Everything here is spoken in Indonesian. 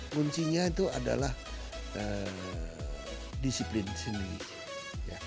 kuncinya itu adalah disiplin sendiri